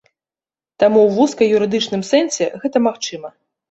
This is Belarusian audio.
Таму ў вузка юрыдычным сэнсе гэта магчыма.